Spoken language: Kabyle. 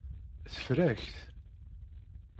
Teffer-ak-t.